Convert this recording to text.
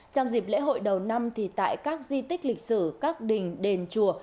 trong dịp lễ hội đầu năm thì tại các di tích lịch sử các đình đền chùa